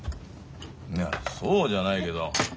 いやそうじゃないけど。